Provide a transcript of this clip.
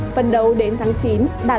phần đầu đến tháng chín đạt tám mươi chín mươi